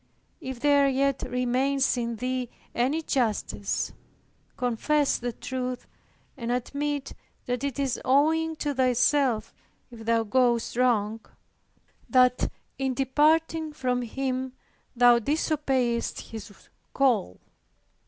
If there yet remains in thee any justice, confess the truth, and admit that it is owing to thyself if thou goest wrong; that in departing from Him thou disobeyest His call.